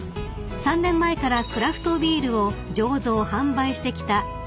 ３年前からクラフトビールを醸造・販売してきた］